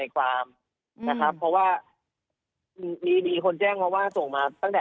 ความนะครับเพราะว่ามีมีคนแจ้งมาว่าส่งมาตั้งแต่